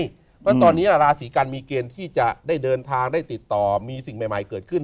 เพราะฉะนั้นตอนนี้ราศีกันมีเกณฑ์ที่จะได้เดินทางได้ติดต่อมีสิ่งใหม่เกิดขึ้น